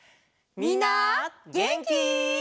みんなげんき？